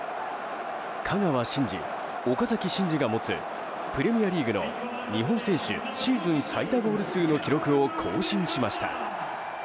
香川真司、岡崎慎司が持つプレミアリーグの日本選手シーズン最多ゴール数の記録を更新しました。